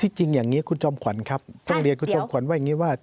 จริงอย่างนี้คุณจอมขวัญครับต้องเรียนคุณจอมขวัญว่าอย่างนี้ว่า